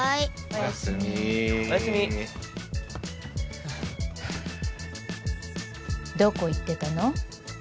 おやすみおやすみどこ行ってたの？